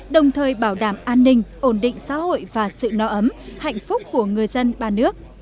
đồng thời bảo đảm an ninh ổn định xã hội và sự no ấm hạnh phúc của người dân ba nước